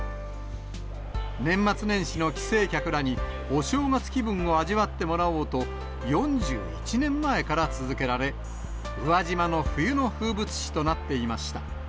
年末年始の帰省客らにお正月気分を味わってもらおうと、４１年前から続けられ、宇和島の冬の風物詩となっていました。